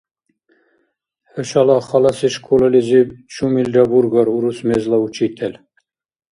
ХӀушала халаси школализиб чумилра бургар урус мезла учитель?